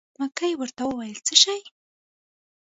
مکۍ ورته وویل: څه شی.